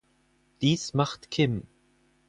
Dies macht Kim.